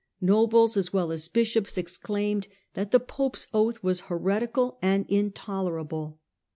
Nobles, as well as bishops, exclaimed that the pope's oath was heretical and intolerable.